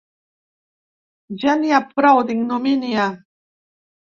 Ja n’hi ha prou d’ignomínia!